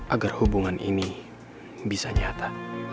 agar hubungan ini bisa nyata